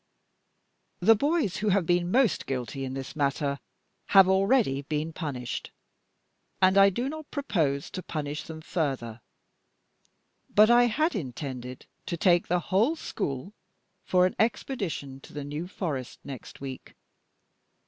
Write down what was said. The boys who have been most guilty in this matter have already been punished, and I do not propose to punish them further; but I had intended to take the whole school for an expedition to the New Forest next week.